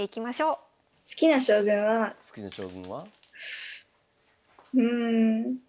うん。